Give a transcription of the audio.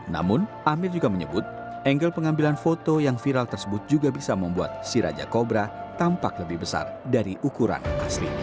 namun amir juga menyebut angle pengambilan foto yang viral tersebut juga bisa membuat si raja kobra tampak lebih besar dari ukuran aslinya